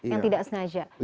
yang tidak sengaja